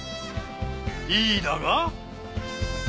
いいだが。